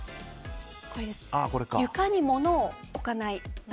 床に物を置かない。